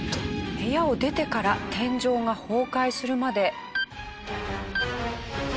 部屋を出てから天井が崩壊するまで。